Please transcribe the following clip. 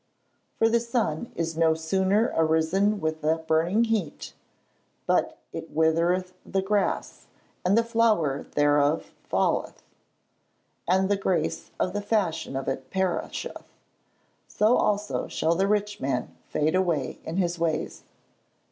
[Verse: "For the sun is no sooner arisen with a burning heat, but it withereth the grass, and the flower thereof falleth, and the grace of the fashion of it perisheth: so also shall the rich man fade away in his ways."